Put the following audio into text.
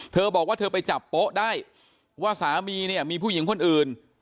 เธอบอกว่าเธอไปจับโป๊ะได้ว่าสามีเนี่ยมีผู้หญิงคนอื่น